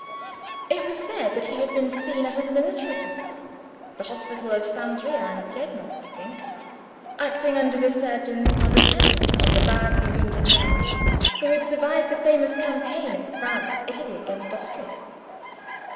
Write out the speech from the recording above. It was said that he had been seen at a military hospital the hospital of Alessandria, in Piedmont, I think acting, under the surgeons, as attendant on the badly wounded men who had survived the famous campaign of France and Italy against Austria.